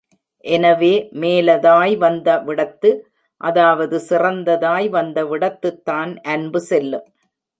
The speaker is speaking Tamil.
எனவே மேலதாய் வந்தவிடத்து, அதாவது சிறந்ததாய் வந்தவிடத்துத்தான் அன்பு செல்லும்.